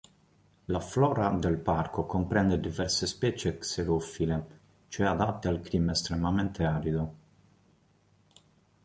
La flora del parco comprende diverse specie xerofile, cioè adattate al clima estremamente arido.